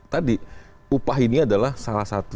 tadi upah ini adalah salah satu